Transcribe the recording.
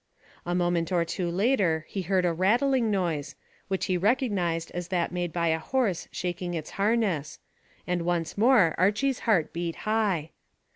A moment or two later he heard a rattling noise, which he recognised as that made by a horse shaking his harness, and once more Archy's heart beat high.